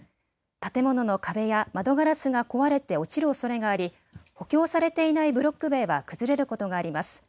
建物の壁や窓ガラスが壊れて落ちるおそれがあり補強されていないブロック塀は崩れることがあります。